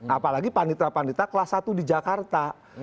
apalagi panitera panitera kelas satu di jakarta